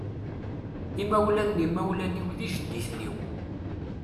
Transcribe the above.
Imawlan n imawlan-iw d ijedditen-iw.